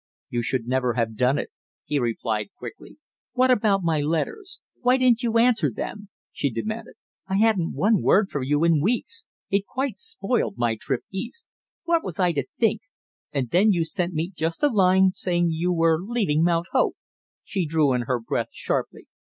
"You should never have done it!" he replied quickly. "What about my letters, why didn't you answer them?" she demanded. "I hadn't one word from you in weeks. It quite spoiled my trip East. What was I to think? And then you sent me just a line saying you were leaving Mount Hope " she drew in her breath sharply.